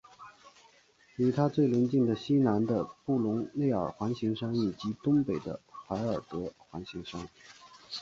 与它最邻近的是西南的布隆内尔环形山以及东北的怀尔德环形山。